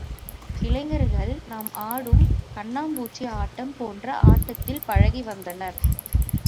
இளைஞர்கள் நாம் ஆடும் கண்ணும்பூச்சி ஆட்டம் போன்ற ஆட்டத்தில் பழகி வந்தனர்.